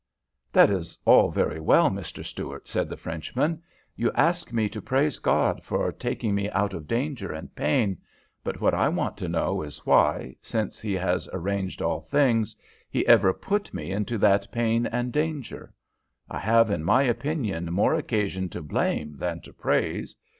"That is all very well, Mr. Stuart," said the Frenchman; "you ask me to praise God for taking me out of danger and pain, but what I want to know is why, since He has arranged all things, He ever put me into that pain and danger. I have in my opinion more occasion to blame than to praise.